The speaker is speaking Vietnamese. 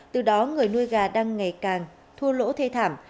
từ đó người nuôi gà đang ngày càng thua lỗ thê thảm